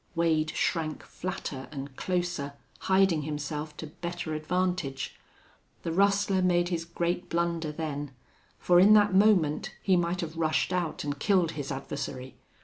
Wade shrank flatter and closer, hiding himself to better advantage. The rustler made his great blunder then, for in that moment he might have rushed out and killed his adversary.